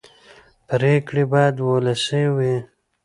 پرېکړې باید ولسي وي